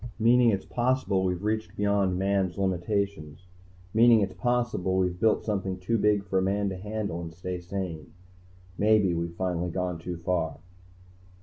"Meaning it's possible we've reached beyond Man's limitations. Meaning it's possible we've built something too big for a man to handle and stay sane. Maybe we've finally gone too far."